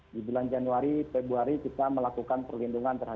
di bulan januari februari kita melakukan program yang berjalan normal